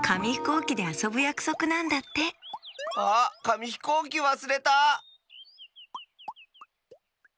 うきであそぶやくそくなんだってあっかみひこうきわすれた！